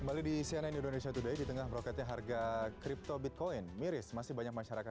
kembali di cnn indonesia today di tengah meroketnya harga crypto bitcoin miris masih banyak masyarakat